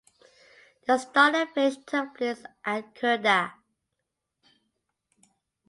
The start and finish took place at Cerda.